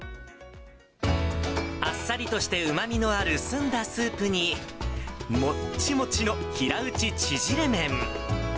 あっさりとして、うまみのある澄んだスープに、もっちもちの平打ち縮れ麺。